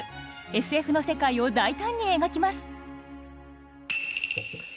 ＳＦの世界を大胆に描きます。